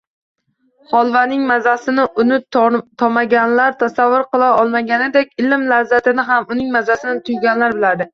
Holvaning mazasini uni tomaganlar tasavvur qila olmaganidеk, ilm lazzatini ham uning mazasini tuyganlar biladi